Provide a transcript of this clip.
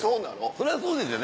そりゃそうですよ。